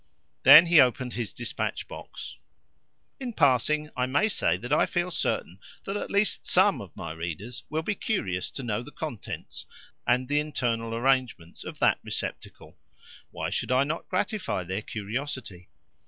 Then he opened his dispatch box. In passing, I may say that I feel certain that at least SOME of my readers will be curious to know the contents and the internal arrangements of that receptacle. Why should I not gratify their curiosity?